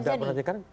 tidak pernah terjadi